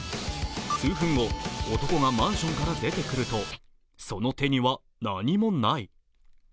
数分後、男がマンションから出てくると、その手には何もない。